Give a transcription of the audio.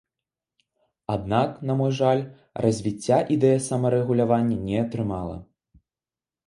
Аднак, на мой жаль, развіцця ідэя самарэгулявання не атрымала.